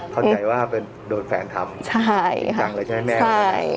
เข้าใจว่าเป็นโดนแฟนทำจริงจังเลยใช่ไหมแม่ใช่ค่ะใช่